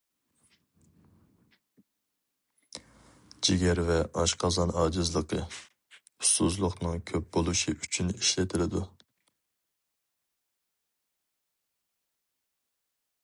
جىگەر ۋە ئاشقازان ئاجىزلىقى، ئۇسسۇزلۇقنىڭ كۆپ بولۇشى ئۈچۈن ئىشلىتىلىدۇ.